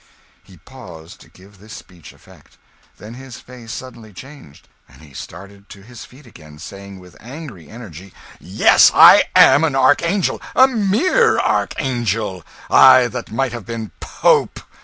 He paused, to give this speech effect; then his face suddenly changed, and he started to his feet again saying, with angry energy, "Yes, I am an archangel; a mere archangel! I that might have been pope!